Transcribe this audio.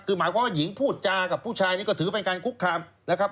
คือหมายความว่าหญิงพูดจากับผู้ชายนี่ก็ถือเป็นการคุกคามนะครับ